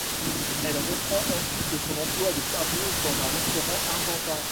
Elle reprend ensuite son emploi de serveuse dans un restaurant argentin.